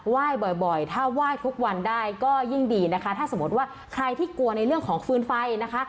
บ่อยบ่อยถ้าไหว้ทุกวันได้ก็ยิ่งดีนะคะถ้าสมมติว่าใครที่กลัวในเรื่องของฟืนไฟนะคะ